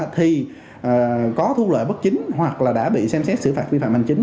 thì có thu lợi bất chính hoặc là đã bị xem xét xử phạt vi phạm hành chính